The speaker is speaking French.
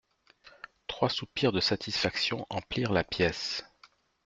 Trois soupirs de satisfaction emplirent la pièce.